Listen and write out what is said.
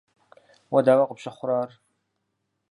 Уэ дауэ къыпщыхъурэ ар?